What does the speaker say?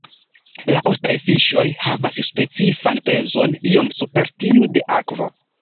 La ostaj fiŝoj havas specifan pezon iom super tiu de akvo.